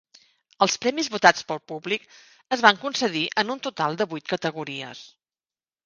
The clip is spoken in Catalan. Els premis votats pel públic es van concedir en un total de vuit categories.